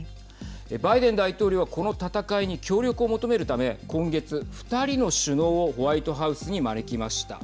バイデン大統領はこの戦いに協力を求めるため今月、２人の首脳をホワイトハウスに招きました。